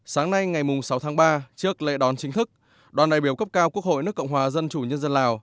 sáng nay ngày sáu tháng ba trước lễ đón chính thức đoàn đại biểu cấp cao quốc hội nước cộng hòa dân chủ nhân dân lào